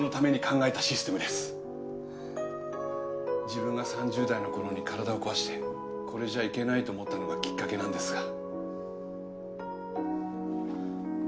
自分が３０代のころに体を壊してこれじゃいけないと思ったのがきっかけなんですが。